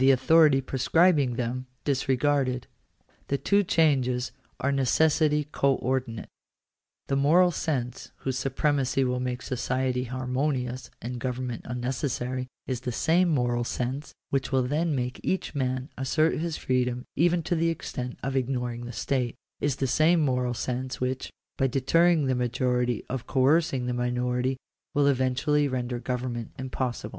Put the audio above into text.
authority prescribing them disregarded. The two changes are of necessity co ordinate. That moral sense whose supremacy will make society harmonious and government unnecessary, is the same moral sense which will then make each man assert his freedom even to the extent of ignoring the state — is the same moral sense which, by deterring the majority from coercing the minority, will eventually render government impossible.